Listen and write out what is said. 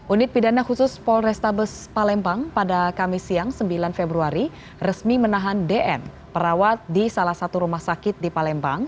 unit pidana khusus polrestabes palembang pada kamis siang sembilan februari resmi menahan dn perawat di salah satu rumah sakit di palembang